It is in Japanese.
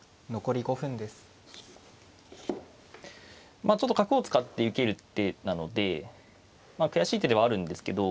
まあちょっと角を使って受ける手なので悔しい手ではあるんですけど。